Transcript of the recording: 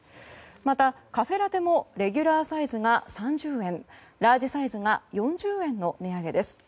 また、カフェラテもレギュラーサイズが３０円ラージサイズが４０円の値上げです。